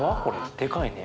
でかいね。